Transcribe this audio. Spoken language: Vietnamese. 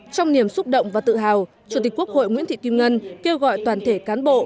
trong niềm xúc động và tự hào chủ tịch quốc hội nguyễn thị kim ngân kêu gọi toàn thể cán bộ